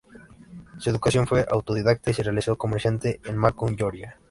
Su educación fue autodidacta y se hizo comerciante en Macon, Georgia.